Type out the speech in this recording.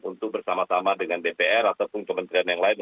untuk bersama sama dengan dpr ataupun kementerian yang lain